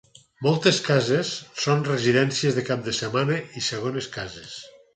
Moltes cases són residències de cap de setmana i segones cases.